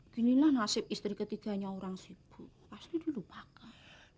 ginilah nasib istri ketiganya orang sibuk pasti dilupakan